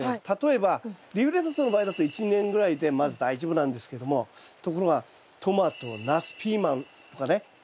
例えばリーフレタスの場合だと１年ぐらいでまず大丈夫なんですけどもところがトマトナスピーマンとかね